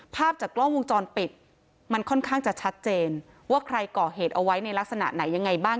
ภาพจากกล้องวงจรปิดมันค่อนข้างจะชัดเจนว่าใครก่อเหตุเอาไว้ในลักษณะไหนยังไงบ้าง